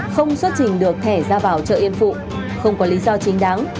không xuất trình được thẻ ra vào chợ yên phụ không có lý do chính đáng